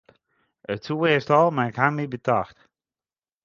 It soe earst al, mar ik haw my betocht.